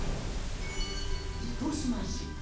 糸島市。